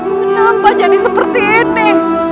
kenapa jadi seperti ini